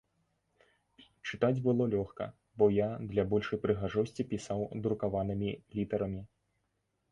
Чытаць было лёгка, бо я для большай прыгажосці пісаў друкаванымі літарамі.